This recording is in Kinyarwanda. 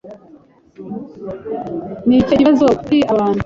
Ni ikihe kibazo kuri aba bantu?